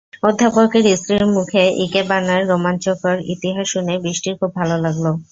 অধ্যাপকের স্ত্রীর মুখে ইকেবানার রোমাঞ্চকর ইতিহাস শুনে বৃষ্টির খুব ভালো লাগল।